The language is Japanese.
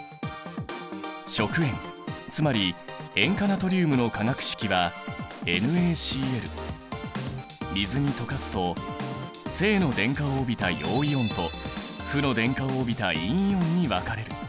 食塩つまり塩化ナトリウムの化学式は水に溶かすと正の電荷を帯びた陽イオンと負の電荷を帯びた陰イオンに分かれる。